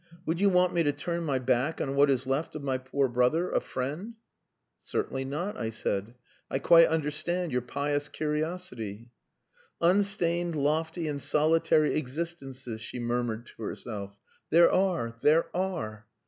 Would you want me to turn my back on what is left of my poor brother a friend?" "Certainly not," I said. "I quite understand your pious curiosity." " Unstained, lofty, and solitary existences," she murmured to herself. "There are! There are!